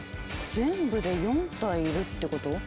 全部で４体いるってこと？